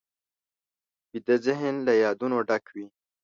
ویده ذهن له یادونو ډک وي